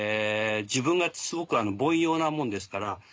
自分がすごく凡庸なもんですから。